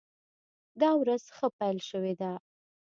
دا ورځ ښه پیل شوې ده.